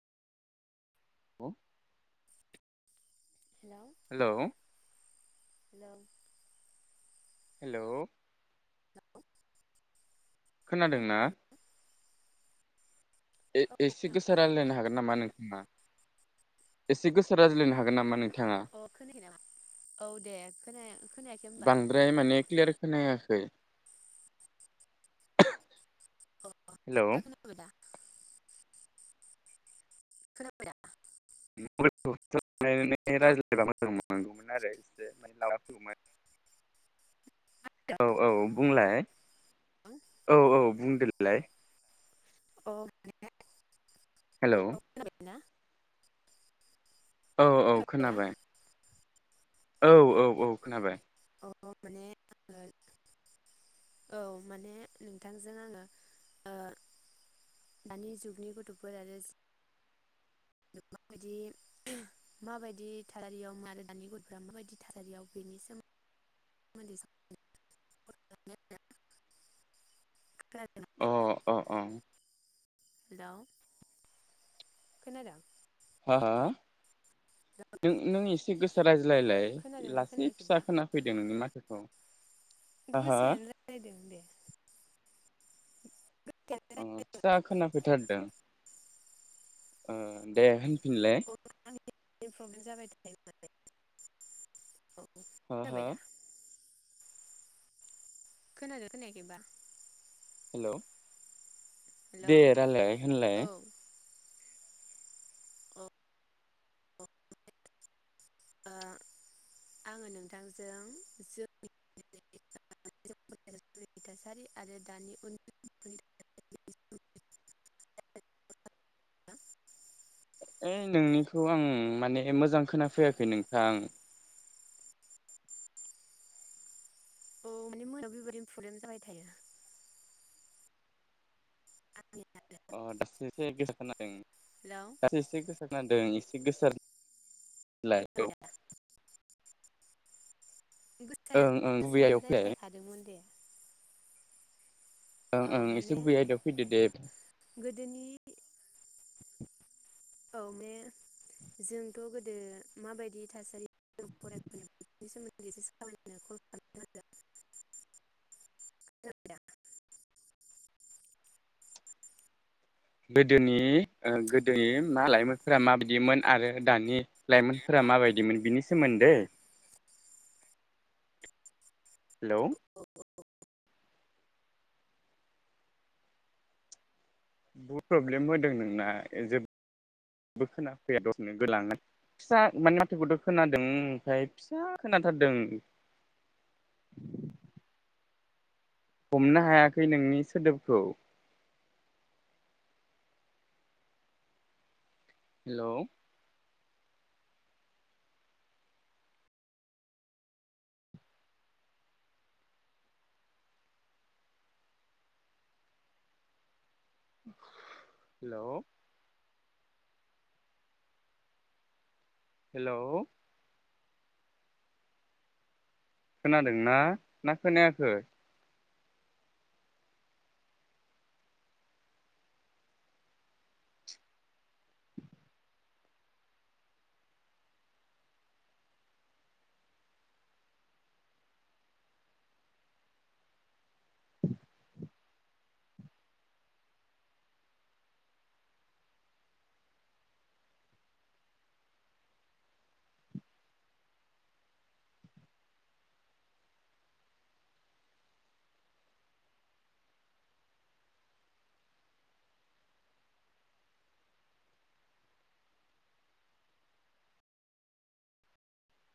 [unintelligible] हेल' hello [unintelligible] hello खोनादोंना? खोनादों ए औ एसे गोसा खोनाबाय दे अ रायलायनो हागोन नामा नोंथाङा? एसे गोसा रायज्लायनो हागोन नामा नों? अ खोनायाखै नामा औ दे खोनाया खोनायाखै होनबा? बांद्राय माने क्लियार खोनायाखै हेलौ [unintelligible] [unintelligible] हेलौ [unintelligible] अ [unintelligible] [unintelligible] औ औ बुंलाय? औ औ बुंदोलाय? अ अ हेलौ खोनाबाय ना? औ औ खोनाबाय। औ औ औ खोनाबाय। अ माने आङो औ माने नोंथांजों आङो ओ दानि जुगनि गथ'फोर आरो माबायदि माबायदि थारारियाव आरो दानि गथ'फोरा माबायदि थारारियाव बेनि सोमोन्दै खोनाद अ अ अ हेलौ खोनादों? हा हा नों नों एसे गोसा रायज्लायलाय खोनादोंना लासै फिसा खोनायाखैबा खोनाफैदों नोंनि माथोखौ। हा हा गोसायानो रालायदों दे अ फिसा खोनाफैथारदों ओ दे होनफिनलाय [unintelligible] प्रब्लेम जाबाय दं [unintelligible] हो हो खोनादोंना खोनायाखैबा हेलौ हेलौ दे रायलाय होनलाय औ ओ ओ नोंथांजों जो [unintelligible] हो ओइ नोंनिखौ आं माने मोजां खोनाफैयाखै नोंथां औ माने मोनायाव बेबायदिनो प्रब्लेम जाबाय थायो आंनिया आरो अ दसे [unintelligible] हेलौ दासो एसे गोसा खोनादों एसे एसे गोसार लायगौ खोनाबाय दा गोसायानो ओं ओं गुबै गोसोयानो आयदायाव फैलाय रायज्लायखादोंमोन दे। ओं ओं माने एसे गुबै आयदायाव फैदो दे गोदोनि औ माने बे जोंथ' गोदो माबायदि थासारि फरायफैनो बेफोरनि सोमोन्दै एसे सावरायनो लादों आरो [unintelligible] गोदोनि ओ है गोदोनि मालाय फोरा माबायदिमोन आरो दानि लाइमोनफोरा माबायदिमोन बिनि सोमोनदै हेलौ बहुद प्रब्लेम होदों नोंना जेबो खोनाफैया दसेनो [unintelligible] फिसा माने माथोखौथ' खोनादों ओमफ्राय फिसा खोनाथारदों। हमनो हायाखै नोंनि सोदोबखौ हेलौ हेलौ हेलौ खोनादोंना ना खोनायाखै?